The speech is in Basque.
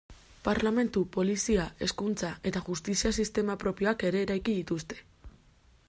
Parlementu, polizia, hezkuntza eta justizia sistema propioak ere eraiki dituzte.